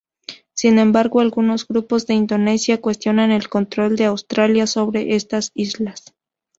Sin embargo Algunos grupos de Indonesia cuestionan el control de Australia sobre estas islas.